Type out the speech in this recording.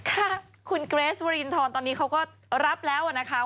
ค่ะคุณเกรสวรินทรตอนนี้เขาก็รับแล้วนะคะ